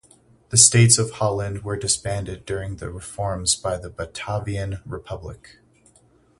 The States of Holland were disbanded during the reforms by the Batavian Republic.